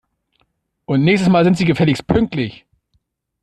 Und nächstes Mal sind Sie gefälligst pünktlich!